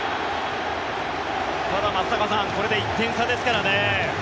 ただ、松坂さんこれで１点差ですからね。